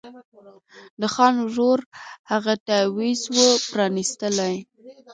د خان ورور هغه تعویذ وو پرانیستلی